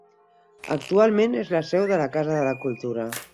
Actualment és la seu de la casa de la cultura.